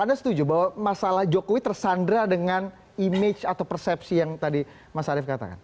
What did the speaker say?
anda setuju bahwa masalah jokowi tersandra dengan image atau persepsi yang tadi mas arief katakan